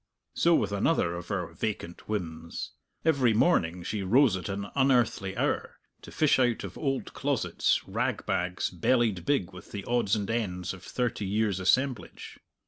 So with another of her vacant whims. Every morning she rose at an unearthly hour, to fish out of old closets rag bags bellied big with the odds and ends of thirty years' assemblage.